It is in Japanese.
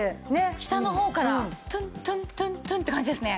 下の方からトゥントゥントゥントゥンって感じですね。